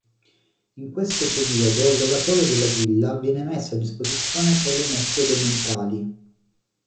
In questo periodo l'oratorio della Villa viene messo a disposizione per le messe domenicali.